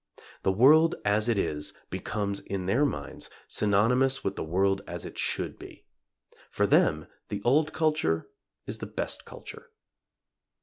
The world as it is becomes in their minds, synonymous with the world as it should be. For them the old culture is the best culture.